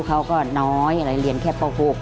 เขาก็น้อยเรียนแค่ประกุก